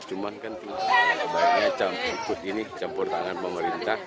cuma kan banyaknya campur campur ini campur tangan pemerintah